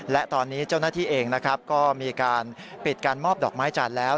และตอนนี้เจ้าหน้าที่เองนะครับก็มีการปิดการมอบดอกไม้จันทร์แล้ว